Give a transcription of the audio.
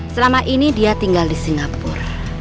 selama ini dia tinggal di singapura